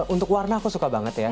untuk warna aku suka banget ya